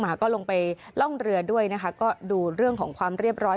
หมาก็ลงไปล่องเรือด้วยนะคะก็ดูเรื่องของความเรียบร้อย